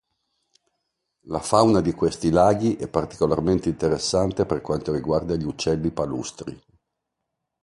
La fauna di questi laghi è particolarmente interessante per quanto riguarda gli uccelli palustri.